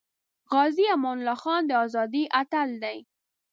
غازی امان الله خان د ازادی اتل دی